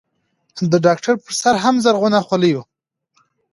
د ډاکتر پر سر هم زرغونه خولۍ.